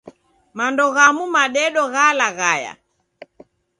Mando ghamu madedo ghalaghayagha.